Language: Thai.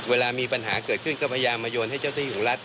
เวลามีปัญหาเกิดขึ้นก็พยายามมาโยนให้เจ้าที่ของรัฐ